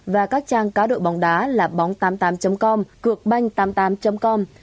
và các trang cáo độ bóng đá là bóng tám mươi tám com cượcbanh tám mươi tám com